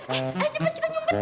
taruh sama wala